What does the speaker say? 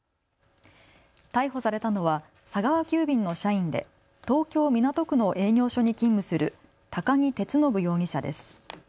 逮捕されたのは佐川急便の社員で東京港区の営業所に勤務する都木徹信容疑者です。